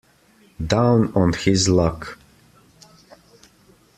Down on his luck.